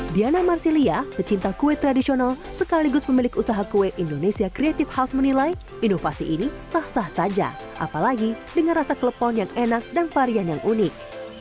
diana marcelia pecinta kue tradisional sekaligus pemilik usaha kue indonesia creative house menilai inovasi ini sah sah saja apalagi dengan rasa klepon yang enak dan varian yang unik